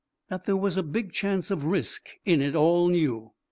That there was a big chance of risk in it all knew.